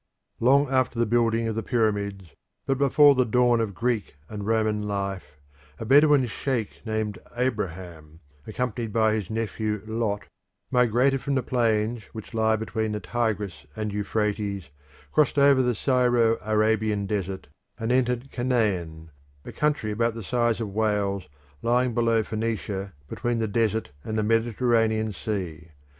Long after the building of the Pyramids, but before the dawn of Greek and Roman life, a Bedouin sheikh named Abraham, accompanied by his nephew Lot, migrated from the plains which lie between the Tigris and Euphrates, crossed over the Syro Arabian desert, and entered Canaan, a country about the size of Wales lying below Phoenicia between the desert and the Mediterranean Sea.